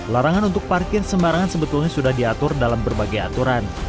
larangan untuk parkir sembarangan sebetulnya sudah diatur dalam berbagai aturan